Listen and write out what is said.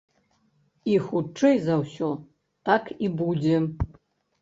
І хутчэй за ўсё, так і будзе.